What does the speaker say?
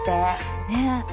ねえ。